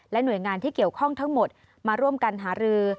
หน่วยงานที่เกี่ยวข้องทั้งหมดมาร่วมกันหารือ